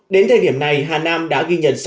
đến thời điểm này hà nam đã ghi nhận